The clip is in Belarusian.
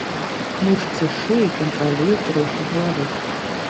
Мышцы шыі кантралююць рухі галавы.